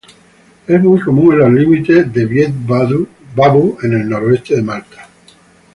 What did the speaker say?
Es muy común en los límites de Wied Babu en el sureste de Malta.